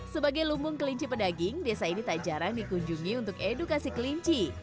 sebagai lumbung kelinci pedaging desa ini tak jarang dikunjungi untuk edukasi kelinci